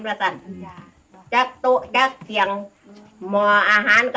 รัฐที่สร้างเทพนิยาย